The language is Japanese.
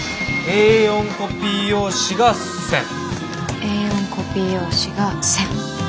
Ａ４コピー用紙が１，０００。